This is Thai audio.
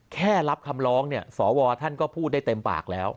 แค่รับคำร้องเนี่ยสวท่านก็พูดได้เต็มปากแล้ว